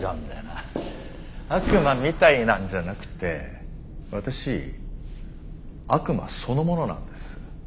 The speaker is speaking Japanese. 「悪魔みたい」なんじゃなくて私悪魔そのものなんです。